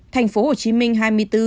thành phố hồ chí minh hai mươi bốn